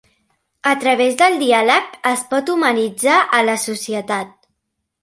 A través del diàleg es pot humanitzar a la societat.